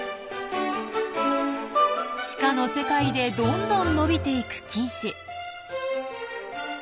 地下の世界でどんどん伸びていく菌糸。